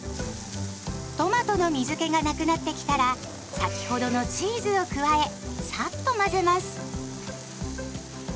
トマトの水けがなくなってきたら先ほどのチーズを加えサッと混ぜます。